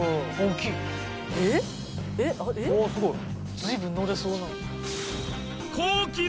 随分乗れそうな。